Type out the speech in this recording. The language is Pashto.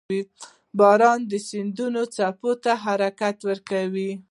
• باران د سیندونو څپو ته حرکت ورکوي.